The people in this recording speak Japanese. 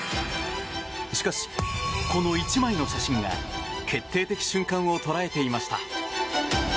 しかし、この１枚の写真が決定的瞬間を捉えていました。